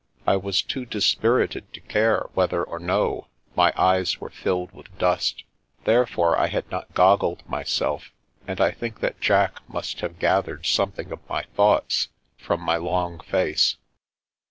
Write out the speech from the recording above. I was too dispirited to care whether or no my eyes were filled with dust; therefore I had not goggled myself, and I think that Jack must have gathered something of my thoughts from my long face.